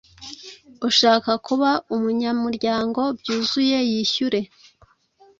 ushaka kuba umunyamuryango byuzuye yishyure